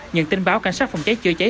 nhận tin báo cảnh sát phòng cháy chữa cháy